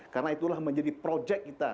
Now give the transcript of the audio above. karena itulah menjadi projek kita